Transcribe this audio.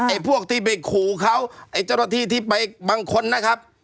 พวกที่ไปขู่เขาไอ้เจ้าหน้าที่ที่ไปบางคนนะครับ